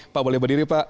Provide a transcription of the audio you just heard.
pak boleh berdiri pak